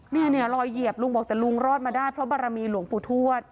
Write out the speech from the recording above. เนี่ยรอยเหยียบลุงบอกแต่ลุงรอดมาได้เพราะบารมีหลวงปู่ทวช